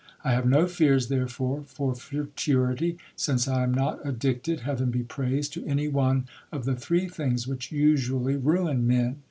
I have no fears, therefore, for futurity, since I am not addicted, heaven be praised, to any one of the three things which usually ruin men.